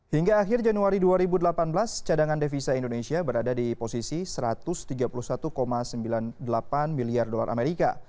hingga akhir januari dua ribu delapan belas cadangan devisa indonesia berada di posisi satu ratus tiga puluh satu sembilan puluh delapan miliar dolar amerika